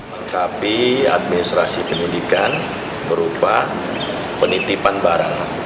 menanggapi administrasi penyelidikan berupa penitipan barang